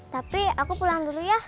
tapi aku pulang dulu ya